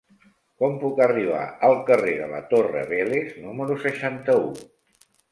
Com puc arribar al carrer de la Torre Vélez número seixanta-u?